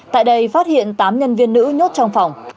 tại đây phát hiện tám nhân viên nữ nhốt trong phòng